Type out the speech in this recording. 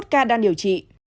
chín mươi một ca đang điều trị